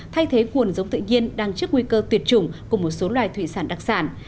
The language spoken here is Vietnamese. thay thế nguồn giống tự nhiên đang trước nguy cơ tuyệt chủng cùng một số loài thủy sản đặc sản